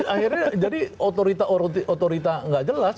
akhirnya jadi otorita nggak jelas